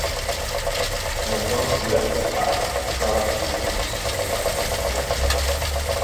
And I don't regret that - I subscribe to it and I teach it.